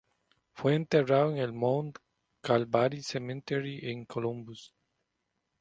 Fue enterrada en el 'Mount Calvary Cemetery', en Columbus.